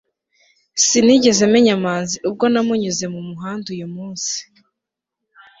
sinigeze menya manzi ubwo namunyuze mumuhanda uyumunsi